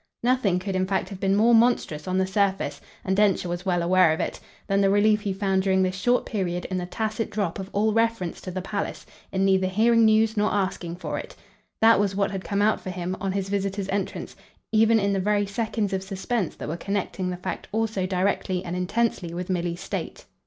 Nothing could in fact have been more monstrous on the surface and Densher was well aware of it than the relief he found during this short period in the tacit drop of all reference to the palace, in neither hearing news nor asking for it. That was what had come out for him, on his visitor's entrance, even in the very seconds of suspense that were connecting the fact also directly and intensely with Milly's state.